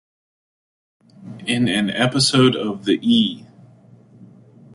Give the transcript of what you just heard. In an episode of the E!